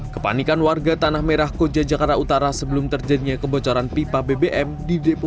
kepanikan warga tanah merah koja jakarta utara sebelum terjadinya kebocoran pipa bbm di depo